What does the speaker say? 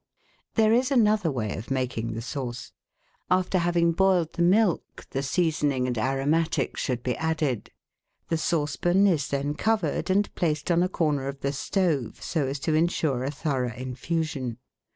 There is another way of making the sauce. After having boiled the milk, the seasoning and aromatics should be added; the saucepan is then covered and placed on a corner of the stove, so as to ensure a thorough infusion.